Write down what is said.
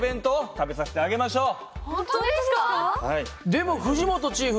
でも藤本チーフ